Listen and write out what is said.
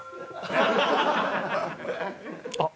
あっ。